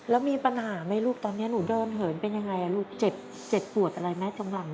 แล้วมีปัญหาไหมลูกตอนนี้หนูเดินเหินเป็นยังไงลูกเจ็บปวดอะไรไหมตรงหลัง